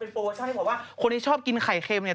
โปรโมชั่นที่บอกว่าคนที่ชอบกินไข่เค็มเนี่ย